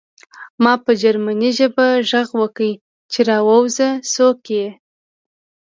ما په جرمني ژبه غږ وکړ چې راوځه څوک یې